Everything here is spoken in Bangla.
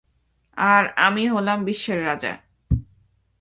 আর আমি হলাম বিশ্বের রাজা।